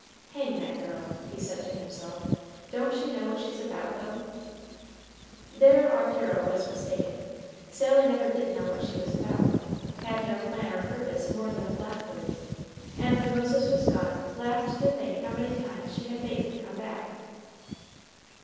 "Hang that girl!" he said to himself; "don't she know what she's about, though?" There our hero was mistaken. Sally never did know what she was about, had no plan or purpose more than a blackbird; and when Moses was gone laughed to think how many times she had made him come back.